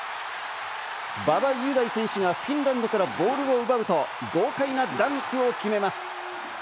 馬場雄大選手がフィンランドからボールを奪うと、豪快なダンクを決めます。